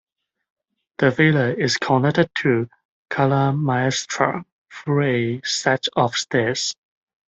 The Villa is connected to "Cala Maestra" through a set of stairs.